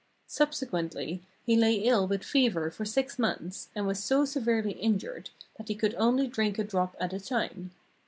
Subsequently he lay ill with fever for six months, and was so severely injured that he could only drink a drop at a time.